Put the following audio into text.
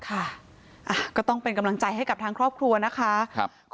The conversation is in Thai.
ก็ต้องเป็นกำลังใจให้กับทางครอบครัวนะคะ